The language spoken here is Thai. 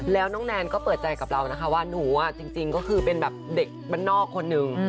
แล้วน้องแนนก็เปิดใจกับเรานะคะว่าหนูจริงก็คือเป็นแบบเด็กบ้านนอกคนหนึ่ง